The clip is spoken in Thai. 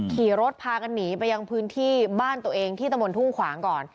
ขี่รถพากันหนีไปยังพื้นที่บ้านตัวเองที่ตะบนทุ่งขวางก่อน